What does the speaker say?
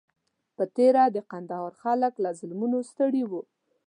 په تېره د کندهار خلک له ظلمونو ستړي وو.